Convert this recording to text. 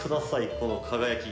この輝き。